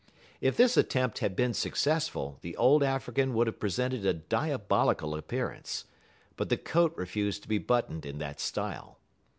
If this attempt had been successful, the old African would have presented a diabolical appearance; but the coat refused to be buttoned in that style.